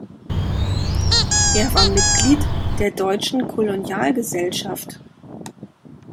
Er war Mitglied der Deutschen Kolonialgesellschaft.